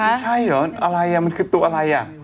ไม่ใช่เหรออะไรมันคือตัวอะไรอ่ะ